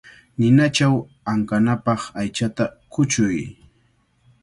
Ninachaw ankanapaq aychata kuchuy.